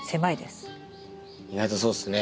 意外とそうっすね。